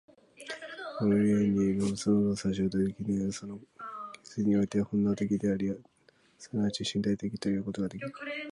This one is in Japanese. この故に動物の動作は衝動的であり、その形成において本能的であり、即ち身体的ということができる。